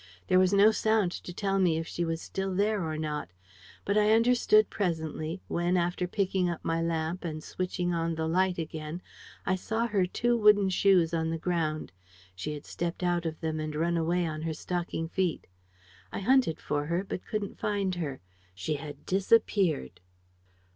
There was no sound to tell me if she was there still or not. But I understood presently, when, after picking up my lamp and switching on the light again, I saw her two wooden shoes on the ground. She had stepped out of them and run away on her stocking feet. I hunted for her, but couldn't find her. She had disappeared."